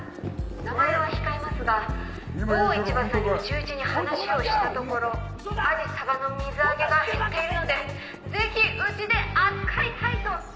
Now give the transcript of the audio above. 名前は控えますが某市場さんに内々に話をしたところアジサバの水揚げが減っているのでぜひうちで扱いたいと！